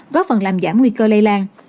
góp phần làm giảm nguy cơ lây lan